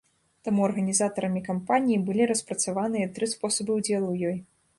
Таму арганізатарамі кампаніі былі распрацаваныя тры спосабы ўдзелу ў ёй.